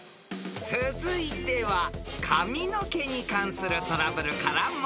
［続いては髪の毛に関するトラブルから問題］